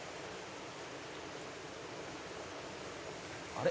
「あれ？」